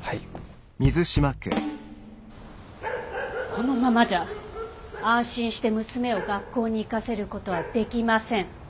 ・このままじゃ安心して娘を学校に行かせる事はできません。